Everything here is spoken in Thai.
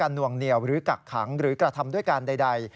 หน่วงเหนียวหรือกักขังหรือกระทำด้วยการใด